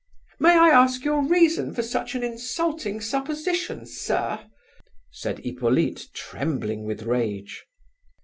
"May I ask your reason for such an insulting supposition, sir?" said Hippolyte, trembling with rage.